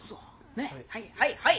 ねえはいはいはい！